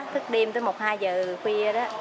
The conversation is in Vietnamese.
thức đêm tới một hai giờ khuya